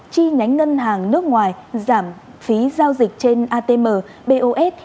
chi nhánh ngân hàng nước ngoài giảm phí giao dịch trên atm bos